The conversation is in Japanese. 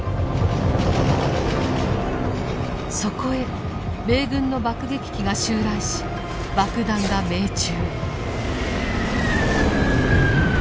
そこへ米軍の爆撃機が襲来し爆弾が命中。